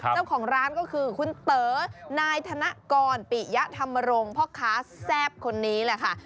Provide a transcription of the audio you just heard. เจ้าของร้านก็คือคุณเต๋อนายธนกรปิยะธรรมรงค์พ่อค้าแซ่บคนนี้แหละค่ะ